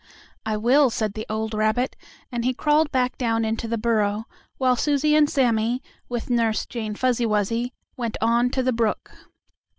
"I will," said the old rabbit, and he crawled back down into the burrow, while Susie and Sammie, with Nurse Jane Fuzzy Wuzzy, went on to the brook.